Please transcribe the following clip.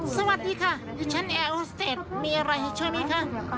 สวัสดีค่ะชั้นแอร์ฮอสเตจมีอะไรให้ช่วยมั้ยคะ